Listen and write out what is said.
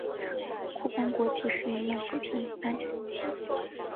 库班国旗是一面水平的三色旗。